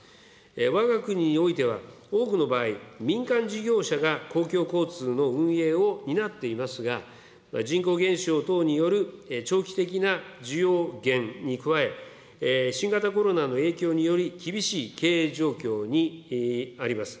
わが国においては多くの場合、民間事業者が公共交通の運営を担っていますが、人口減少等による長期的な需要減に加え、新型コロナの影響により、厳しい経営状況にあります。